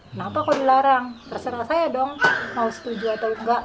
kenapa kok dilarang terserah saya dong mau setuju atau enggak